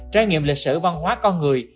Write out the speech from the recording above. trải nghiệm lịch sử văn hóa con người